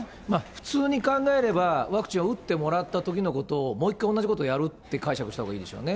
普通に考えれば、ワクチンを打ってもらったときのことを、もう一回同じことをやるって解釈したほうがいいでしょうね。